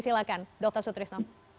silakan dokter sutrisno